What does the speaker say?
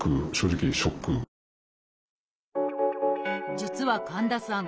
実は神田さん